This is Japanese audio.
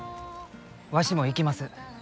わしも行きます。